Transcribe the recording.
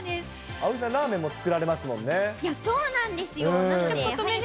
葵さん、ラーメンも作られまそうなんですよ。